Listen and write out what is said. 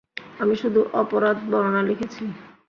আমি শুধু অপরাধ বর্ণনা লিখেছি।